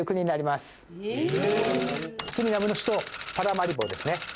スリナムの首都パラマリボですね。